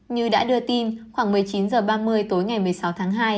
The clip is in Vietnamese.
như đã đưa tin khoảng một mươi chín h ba mươi tối ngày một mươi sáu tháng hai